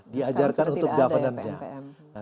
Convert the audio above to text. diajarkan untuk pemerintahnya